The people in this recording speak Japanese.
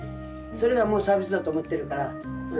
それがもうサービスだと思ってるから。